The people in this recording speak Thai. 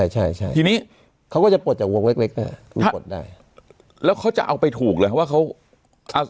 ใช่ทีนี้เขาก็จะปลดจากวงเล็กได้แล้วเขาจะเอาไปถูกเลยว่าเขา